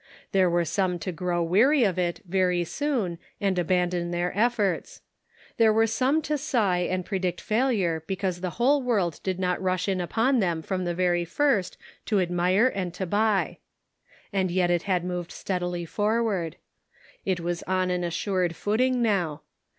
There were some to grow weary of it very soon and aban don their efforts ; there were some to sigh and predict failure because the whole world did not rush in upon them from the very first to admire and to buy. And yet it had moved steadily forward. It was on an assured footing now.